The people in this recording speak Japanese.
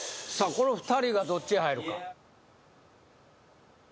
この２人がどっち入るか？